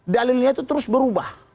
dalilnya itu terus berubah